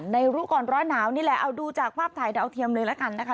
รู้ก่อนร้อนหนาวนี่แหละเอาดูจากภาพถ่ายดาวเทียมเลยละกันนะคะ